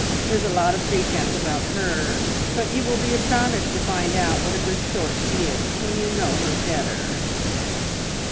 "There's a lot of pretence about her, but you will be astonished to find out what a good sort she is when you know her better."